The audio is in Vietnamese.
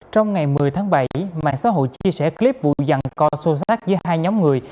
trong ngày một mươi tháng bảy mạng xã hội chia sẻ clip vụ dặn co sô sát với hai nhóm người